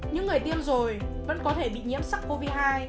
những người tiêm rồi vẫn có thể bị nhiễm sắc covid hai